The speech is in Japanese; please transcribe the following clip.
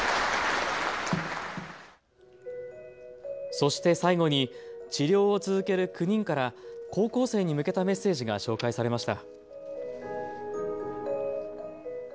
そして最後に治療を続ける９人から高校生に向けたメッセージが紹介されました。